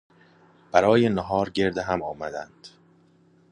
برای نهار گرد هم آمدند.